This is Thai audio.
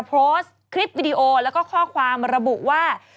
โพสต์คลิปวิดีโอแล้วก็ข้อความระบุว่า